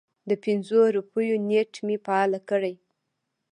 د پنځو روپیو نیټ مې فعال کړی